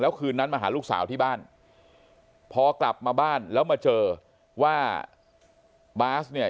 คืนนั้นมาหาลูกสาวที่บ้านพอกลับมาบ้านแล้วมาเจอว่าบาสเนี่ย